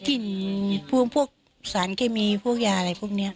กลิ่นพวกผู้สารเคมีพวกยาอะไรพวกนี้